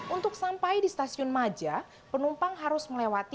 untuk sampai di stasiun maja penumpang harus melewati